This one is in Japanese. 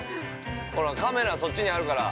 ◆ほら、カメラそっちにあるから。